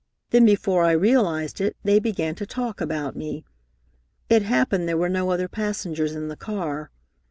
Then, before I realized it, they began to talk about me. It happened there were no other passengers in the car.